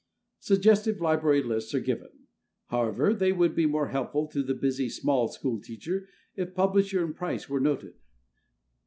Suggestive library lists are given. However, they would be more helpful to the busy, "small school" teacher if publisher and price were noted.